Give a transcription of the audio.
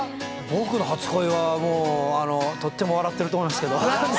僕の初恋はとても笑ってると思いますけど。